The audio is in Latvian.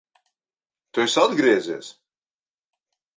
Tu esi atgriezies!